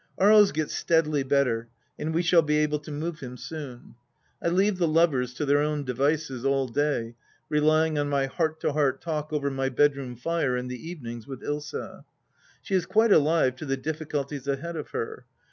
Aries gets steadily better and we shall be able to move him soon. I leave the lovers to their own devices all day, relying on my heart to heart talk over my bedroom fire in the evenings with Ilsa. She is quite alive to the difficulties ahead of her.